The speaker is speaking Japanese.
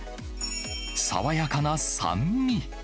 爽やかな酸味。